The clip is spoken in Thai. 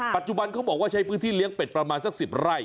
ปัจจุบันเขาบอกว่าใช้พื้นที่เลี้ยงเป็ดประมาณสัก๑๐ไร่